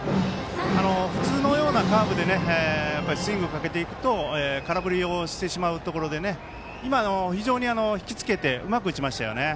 普通のようなカーブでスイングをかけていくと空振りをしてしまうところで、今非常に引き付けてうまく打ちました。